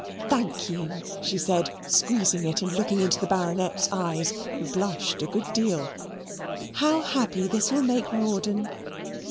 "Thank you," she said, squeezing it and looking into the Baronet's eyes, who blushed a good deal; "how happy this will make Rawdon!"